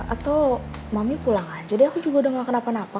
atau mami pulang aja jadi aku juga udah gak kenapa napa